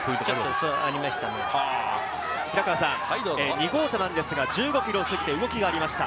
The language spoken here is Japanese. ２号車ですが、１５ｋｍをすぎて、動きがありました。